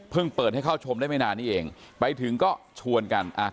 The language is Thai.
เปิดให้เข้าชมได้ไม่นานนี้เองไปถึงก็ชวนกันอ่ะ